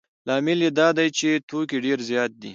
لامل یې دا دی چې توکي ډېر زیات دي